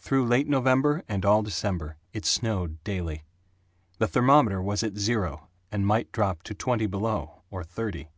Through late November and all December it snowed daily; the thermometer was at zero and might drop to twenty below, or thirty.